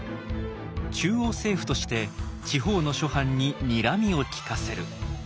中央政府として地方の諸藩ににらみを利かせる。